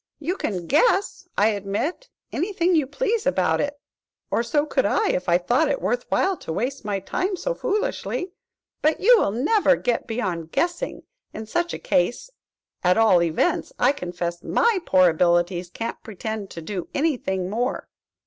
You can guess, I admit, anything you please about it, and so could I, if I thought it worth while to waste my time so foolishly. But you will never get beyond guessing in such a case–at all events, I confess my poor abilities can't pretend to do anything more."